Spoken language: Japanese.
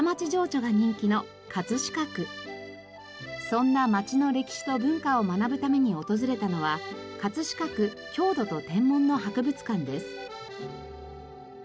そんな町の歴史と文化を学ぶために訪れたのは「飾区郷土と天文の博物館」です。